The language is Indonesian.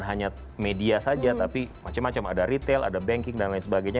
hanya media saja tapi macam macam ada retail ada banking dan lain sebagainya